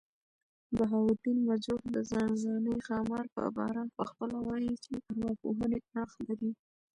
بهاوالدین مجروح د ځانځانۍ ښامارپه باره پخپله وايي، چي ارواپوهني اړخ لري.